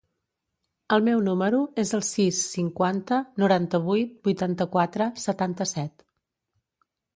El meu número es el sis, cinquanta, noranta-vuit, vuitanta-quatre, setanta-set.